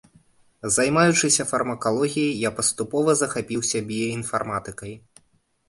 Займаючыся фармакалогіяй, я паступова захапіўся біяінфарматыкай.